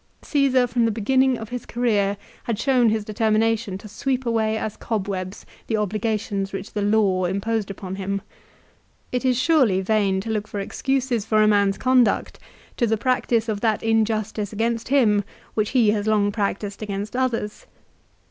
Csesar from the beginning of his career had shown his determination to sweep away as cobwebs the obligations which the law imposed upon him. It is surely vain to look for excuses for a man's conduct to the practice of that injustice against him which he has long practised against others.